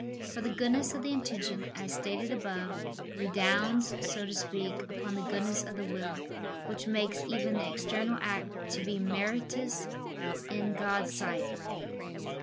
For the goodness of the intention, as stated above, redounds, so to speak, upon the goodness of the will, which makes even the external act to be meritorious in God's sight.